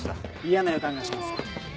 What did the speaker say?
嫌な予感がします。